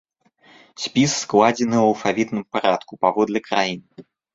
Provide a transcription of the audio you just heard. Спіс складзены ў алфавітным парадку паводле краін.